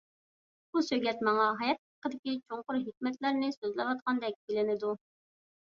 بۇ سۆگەت ماڭا ھايات ھەققىدىكى چوڭقۇر ھېكمەتلەرنى سۆزلەۋاتقاندەك بىلىنىدۇ.